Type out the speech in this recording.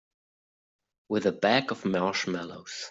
With a bag of marshmallows.